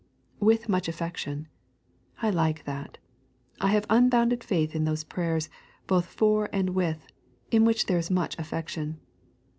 'With much affection.' I like that. I have unbounded faith in those prayers, both for and with, in which there is much affection.